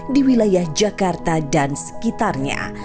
di wilayah jakarta dan sekitarnya